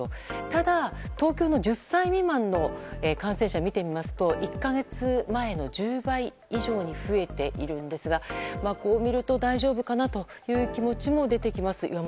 ただ東京の１０歳未満の感染者を見てみますと１か月前の１０倍以上に増えているんですがこう見ると大丈夫かなという気持ちも出てきます。